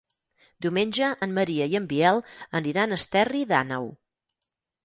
Diumenge en Maria i en Biel aniran a Esterri d'Àneu.